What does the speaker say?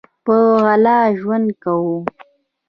په غلا ژوند کوو